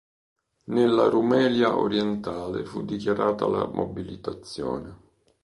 Nella Rumelia orientale fu dichiarata la mobilitazione.